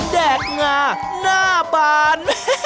แดกงาหน้าบาน